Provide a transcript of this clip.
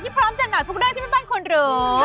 ที่พร้อมจำนวดทุกเรื่องที่แม่บ้านควรรวม